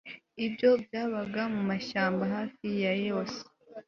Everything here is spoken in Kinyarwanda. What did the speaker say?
ibyo byabaga mu mashyamba hafi ya yose